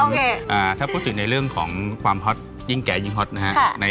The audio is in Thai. ถ้าพูดถึงในเรื่องของความฮอตยิ่งแก่ยิ่งฮอตนะฮะ